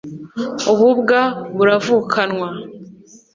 ububwa buravukanwa